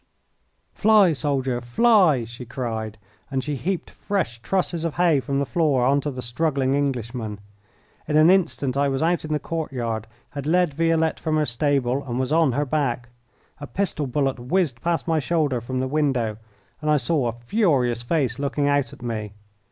"Fly, soldier, fly!" she cried, and she heaped fresh trusses of hay from the floor on to the struggling Englishman. In an instant I was out in the courtyard, had led Violette from her stable, and was on her back. A pistol bullet whizzed past my shoulder from the window, and I saw a furious face looking out at me.